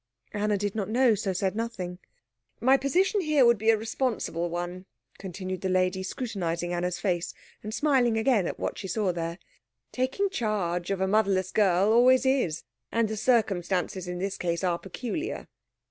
Anna did not know, so said nothing. "My position here would be a responsible one," continued the lady, scrutinising Anna's face, and smiling again at what she saw there. "Taking charge of a motherless girl always is. And the circumstances in this case are peculiar."